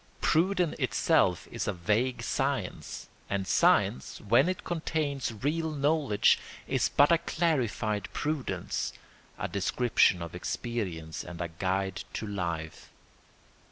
Prudence itself is a vague science, and science, when it contains real knowledge, is but a clarified prudence, a description of experience and a guide to life.